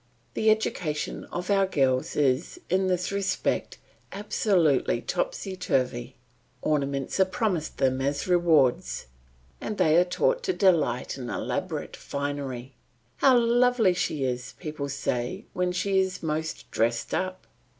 The education of our girls is, in this respect, absolutely topsy turvy. Ornaments are promised them as rewards, and they are taught to delight in elaborate finery. "How lovely she is!" people say when she is most dressed up.